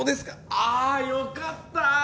あよかった！